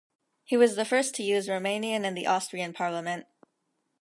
He was the first to use Romanian in the Austrian Parliament.